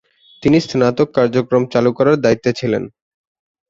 তিনি স্নাতক কার্যক্রম চালু করার দায়িত্বে ছিলেন।